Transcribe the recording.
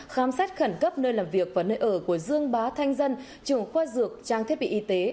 khám xét khẩn cấp nơi làm việc và nơi ở của dương bá thanh dân trưởng khoa dược trang thiết bị y tế